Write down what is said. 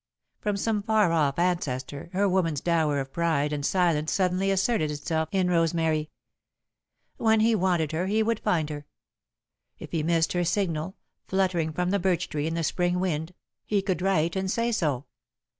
From some far off ancestor, her woman's dower of pride and silence suddenly asserted itself in Rosemary. When he wanted her, he would find her. If he missed her signal, fluttering from the birch tree in the Spring wind, he could write and say so.